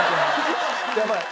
やばい。